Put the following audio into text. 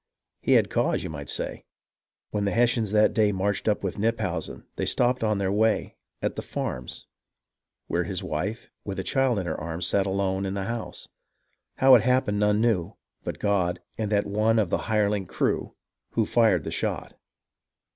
He had cause, you might say ! When the Hessians that day Marched up with Knyphausen they stopped on their way At the " Farms," where his wife, with a child in her arms, Sat alone in the house. How it happened none knew But God — and that one of the hireling crew Who fired the shot.